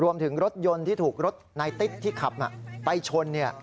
รวมถึงรถยนต์ที่ถูกรถนายติ๊กที่ขับไปชน